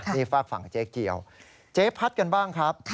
นี่ฝากฝั่งเจ๊เกียวเจ๊พัดกันบ้างครับ